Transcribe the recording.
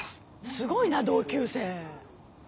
すごいな同級生。